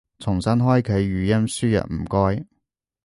重新開啟語音輸入唔該